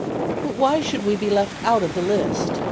"But why should we be left out of the list?